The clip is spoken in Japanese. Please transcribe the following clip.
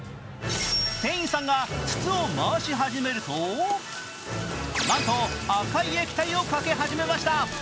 店員さんが筒を回し始めるとなんと赤い液体をかけ始めました。